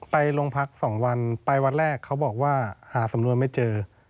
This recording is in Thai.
ไปโรงพัก๒วันไปวันแรกเขาบอกว่าหาสำนวนไม่เจอ